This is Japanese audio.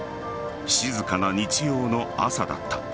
静かな日曜の朝だった。